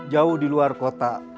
jauh di luar kota